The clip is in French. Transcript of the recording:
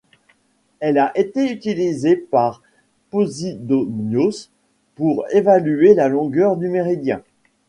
Elle a été utilisée par Posidonios pour évaluer la longueur du méridien.